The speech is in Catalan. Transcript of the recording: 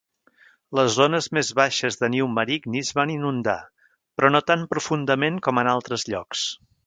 Les zones més baixes de New Marigny es van inundar, però no tan profundament com en altres llocs.